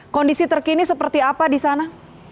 kondisi terkini seperti apa di sana